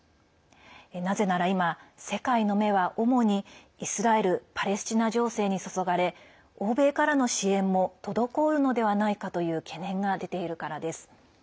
なぜなら今、世界の目は主にイスラエル・パレスチナ情勢に注がれ、欧米からの支援も滞るのではないかという懸念が出ているからです。